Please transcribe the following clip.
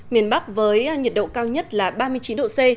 miền bắc với nhiệt độ cao nhất là ba mươi chín độ c